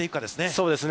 そうですね。